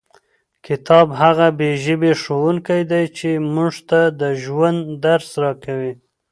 کتاب هغه بې ژبې ښوونکی دی چې موږ ته د ژوند درس راکوي.